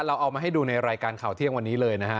เอามาให้ดูในรายการข่าวเที่ยงวันนี้เลยนะฮะ